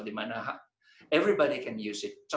dimana semua orang dapat menggunakannya